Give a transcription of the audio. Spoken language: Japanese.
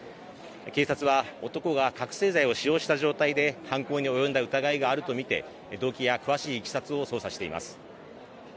警察は男が覚せい剤を使用した状態で犯行に及んだ疑いがあると見て動機や詳しいいきさつを捜査しています